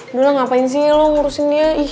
udah lah ngapain sih lo ngurusin dia ih